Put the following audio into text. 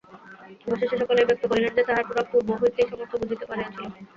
অবশেষে সকলেই ব্যক্ত করিল যে তাহারা পূর্ব হইতেই সমস্ত বুঝিতে পারিয়াছিল।